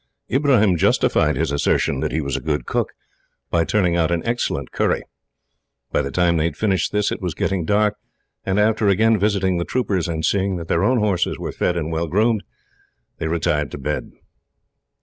Ibrahim justified his assertion that he was a good cook, by turning out an excellent curry. By the time they had finished this it was getting dark, and after again visiting the troopers, and seeing that their own horses were fed and well groomed, they retired to bed.